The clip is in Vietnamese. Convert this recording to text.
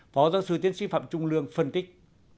phó giáo sư tiến sĩ phạm trung lương phân tích